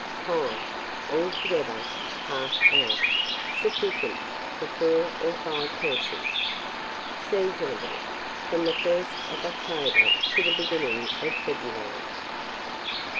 Time. Altogether 1/2 hour. Sufficient for 4 or 5 persons. Seasonable from the 1st of October to the beginning of February.